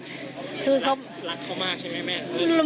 รักเขามากใช่ไหมแม่